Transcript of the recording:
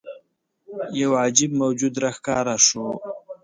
یوه عجيب موجود راښکاره شو.